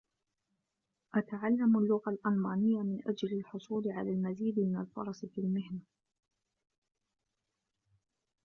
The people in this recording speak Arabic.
أتعلم اللغة الألمانية من أجل الحصول على المزيد من الفرص في المهنة.